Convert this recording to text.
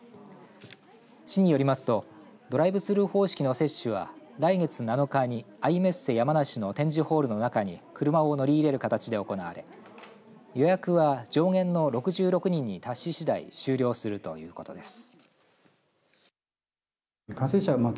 市によりますとドライブスルー方式の接種は来月７日にアイメッセ山梨の展示ホールの中に車を乗り入れる形で行われ予約は上限の６６人に達し次第終了するということです。